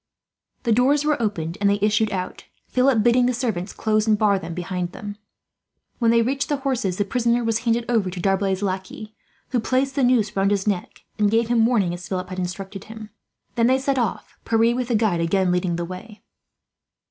The doors were opened and they issued out, Philip bidding the servants close and bar them behind them. When they reached the horses, the prisoner was handed over to D'Arblay's lackey, who placed the noose round his neck, and gave him warning as Philip had instructed him. Then they set off, Pierre with the guide again leading the way.